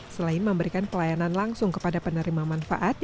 selain memberikan pelayanan langsung kepada penerima manfaat